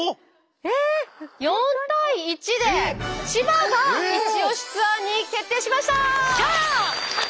４対１で千葉がイチオシツアーに決定しました！